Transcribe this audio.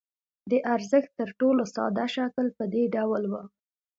د ارزښت تر ټولو ساده شکل په دې ډول وو